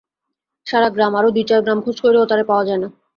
সারা গ্রাম, আরও দুই চার গ্রাম খোঁজ কইরেও তারে পাওয়া যায় না।